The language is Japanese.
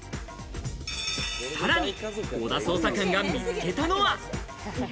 さらに小田捜査官が見つけたのは。